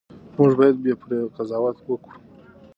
موږ باید بې پرې قضاوت وکړو.